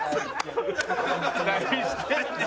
何してんねん。